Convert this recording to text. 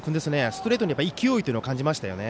ストレートに勢いというのを感じましたよね。